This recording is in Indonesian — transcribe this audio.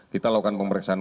kita lakukan pemeriksaan